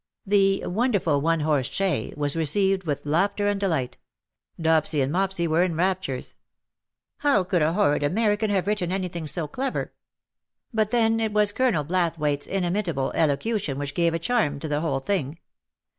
The " Wonderful One Horse Shay" was re ceived with laughter and delight. Dopsy and Mopsy were in raptures. " How could a horrid American have written anything so clever? But then it was Colonel Blathwayt's inimitable elocution which gave a charm to the whole thing.